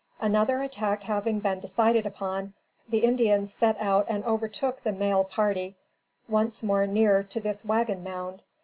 Another attack having been decided upon, the Indians set out and overtook the mail party once more near to this "Wagon Mound."